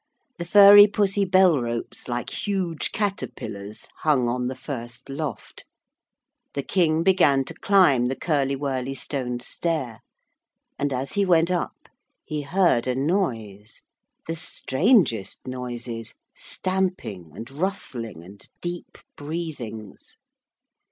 The furry pussy bell ropes, like huge caterpillars, hung on the first loft. The King began to climb the curly wurly stone stair. And as he went up he heard a noise, the strangest noises, stamping and rustling and deep breathings.